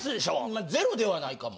まゼロではないかも。